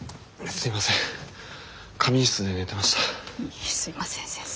すいません先生。